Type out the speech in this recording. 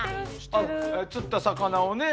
釣った魚をね